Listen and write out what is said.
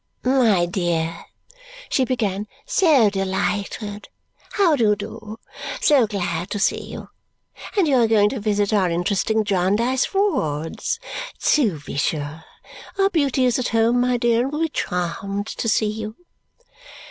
"My dear!" she began. "So delighted! How do you do! So glad to see you. And you are going to visit our interesting Jarndyce wards? TO be sure! Our beauty is at home, my dear, and will be charmed to see you."